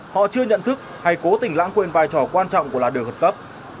họ chưa nhận thức hay cố tình lãng quên vai trò quan trọng của làn đường hợp cấp